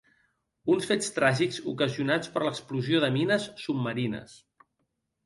Uns fets tràgics ocasionats per l’explosió de mines submarines.